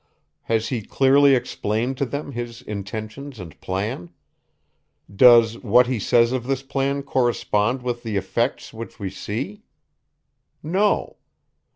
Has he clearly explained to them his intentions and plan? Does what he says of this plan correspond with the effects, which we see? No.